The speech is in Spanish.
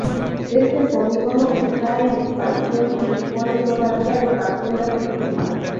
Este polígono está en expansión y dispone todavía de parcelas libres.